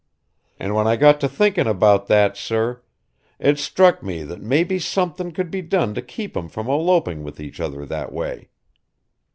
And when I got to thinkin' about that, sir it struck me that maybe somethin' could be done to keep 'em from eloping with each other that way.